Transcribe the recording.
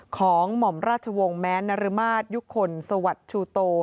หม่อมราชวงศ์แม้นรมาศยุคคลสวัสดิ์ชูโต